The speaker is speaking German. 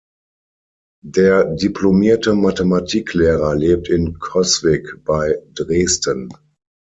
Der diplomierte Mathematiklehrer lebt in Coswig bei Dresden.